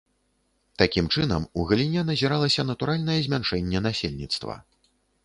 Такім чынам, у галіне назіралася натуральнае змяншэнне насельніцтва.